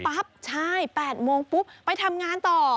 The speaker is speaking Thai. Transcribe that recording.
ใช่๘โมงปุ๊บไปทำงานต่อ